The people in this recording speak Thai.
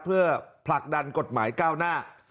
เพื่อผลักดันกฎหมายก้าวหน้า